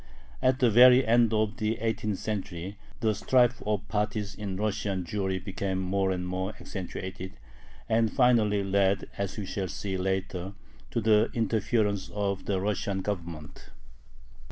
At the very end of the eighteenth century the strife of parties in Russian Jewry became more and more accentuated, and finally led, as we shall see later, to the interference of the Russian Government.